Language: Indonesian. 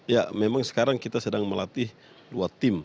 ya memang sekarang kita sedang melatih dua tim